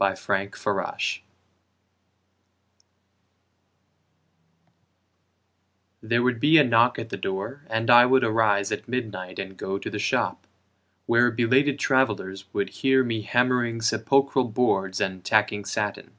Jeduthan Hawley There would be a knock at the door And I would arise at midnight and go to the shop, Where belated travelers would hear me hammering Sepulchral boards and tacking satin.